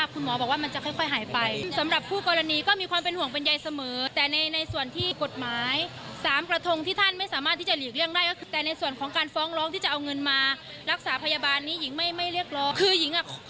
คือหญิงอะให้อภัยตั้งแต่วันแรกเลย